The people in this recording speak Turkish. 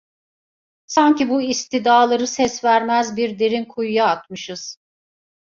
Sanki bu istidaları ses vermez bir derin kuyuya atmışız…